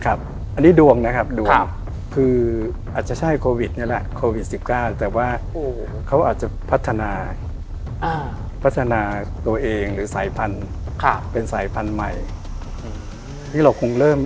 อันนี้ดวงนะครับคืออาจจะใช่โควิด๑๙แต่ว่าเขาอาจจะพัฒนาตัวเองหรือสายพันธุ์ใหม่